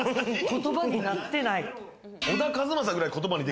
言葉になってない。